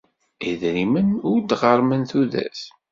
Idrimen ur d-ɣerrmen tudert.